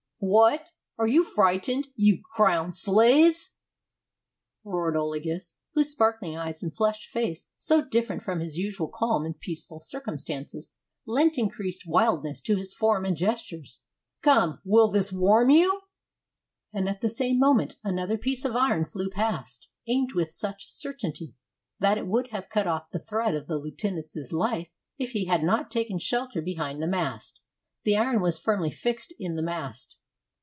"What! Are you frightened, you Crown slaves?" roared Olagus, whose sparkling eyes and flushed face, so different from his usual calm in peaceful circumstances, lent increased wildness to his form and gestures. "Come, will this warm you?" And at the same moment another piece of iron flew past, aimed with such certainty that it would have cut off the thread of the lieutenant's life if he had not taken shelter behind the mast. The iron was firmly fixed in the mast.